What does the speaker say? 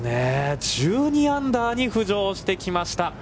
１２アンダーに浮上してきました。